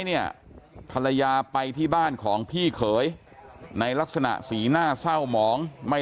เนี่ยภรรยาไปที่บ้านของพี่เขยในลักษณะสีหน้าเศร้าหมองไม่